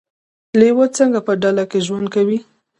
لیوه څنګه په ډله کې ژوند کوي؟